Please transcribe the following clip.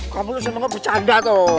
kamu tuh semangat bercanda tuh